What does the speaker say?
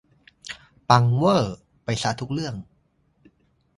ปังเว่อร์ไปซะทุกเรื่อง